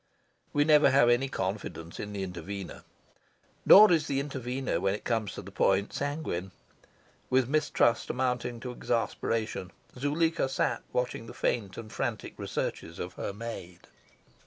We never have any confidence in the intervener. Nor is the intervener, when it comes to the point, sanguine. With mistrust mounting to exasperation Zuleika sat watching the faint and frantic researches of her maid.